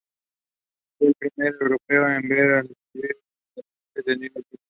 Fue el primer europeo en ver y describir las fuentes del Nilo Azul.